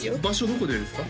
どこでですか？